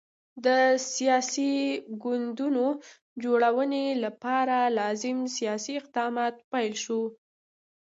د سیاسي ګوندونو جوړونې لپاره لازم سیاسي اقدامات پیل شول.